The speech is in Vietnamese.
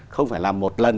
không phải làm một lần